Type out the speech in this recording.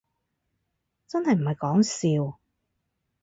真係唔係講笑